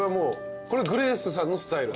これグレースさんのスタイル？